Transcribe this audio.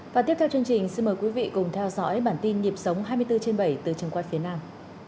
và tiếp theo chương trình xin mời quý vị cùng theo dõi bản tin nhịp sống hai mươi bốn trên bảy từ trường quay phía nam